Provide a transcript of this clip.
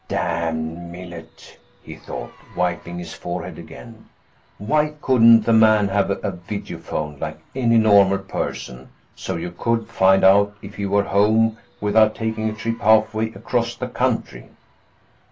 Damn Millet, he thought, wiping his forehead again. Why couldn't the man have a videophone like any normal person so you could find out if he were home without taking a trip halfway across the country?